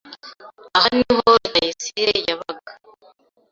Aha niho Rutayisire yabaga.